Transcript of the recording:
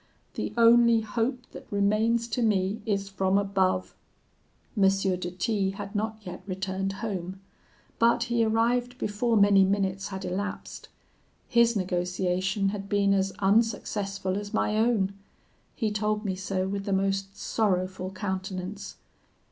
The only hope that remains to me is from above!' "M. de T had not yet returned home; but he arrived before many minutes had elapsed. His negotiation had been as unsuccessful as my own. He told me so with the most sorrowful countenance.